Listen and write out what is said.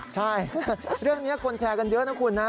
ใช่เรื่องนี้คนแชร์กันเยอะนะคุณนะ